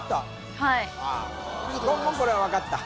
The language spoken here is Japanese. はい言もこれは分かった？